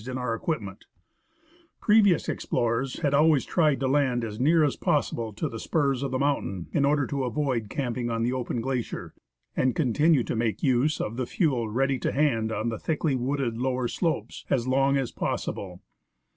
64 THE MALASPINA GLACIER explorers had always tried to land as near as possible to the spurs of the mountain, in order to avoid camping on the open glacier, and continue to make use of the fuel ready to hand on the thickly wooded lower slopes as long as possible.